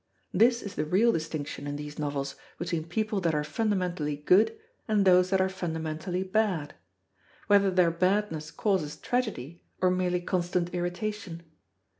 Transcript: This is the real distinction in these novels between people that are fundamentally good and those that are fundamentally bad; whether their badness causes tragedy or merely constant irritation.